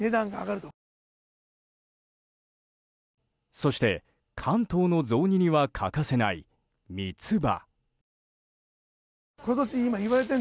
そして、関東の雑煮には欠かせない三つ葉。